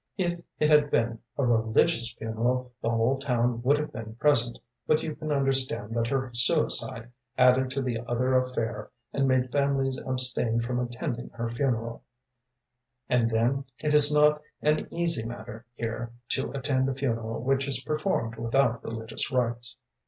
If it had been a religious funeral the whole town would have been present, but you can understand that her suicide added to the other affair and made families abstain from attending her funeral; and then, it is not an easy matter here to attend a funeral which is performed without religious rites.